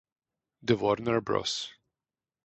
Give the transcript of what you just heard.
The Warner Bros.